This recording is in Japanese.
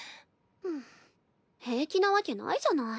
んん平気なわけないじゃない。